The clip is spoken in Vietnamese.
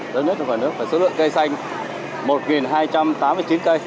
lớn nhất trong cả nước số lượng cây xanh một hai trăm tám mươi chín cây